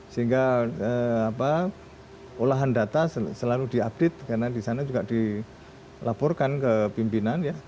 sehingga olahan data selalu diupdate karena di sana juga dilaporkan ke pimpinan ya